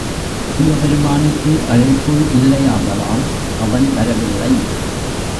சிவபெருமானுக்கு அழைப்பு இல்லையாதலால் அவன் வரவில்லை.